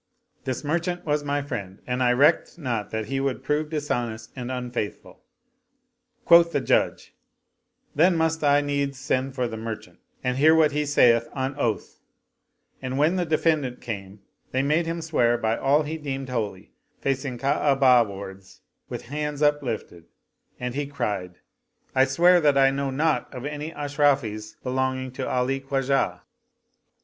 This merchant was my friend and I recked not that he would prove dishonest and unfaithful." Quoth the Judge, " Then must I needs send for the mer 129 Oriental Mystery Stories chant and hear what he saith on oath "; and when the de fendant came they made him swear by all he deemed holy, facing Ka'abah wards with hands uplifted, and he cried, " I swear that I know naught of any Ashrafis belong ing to Ali Khwajah."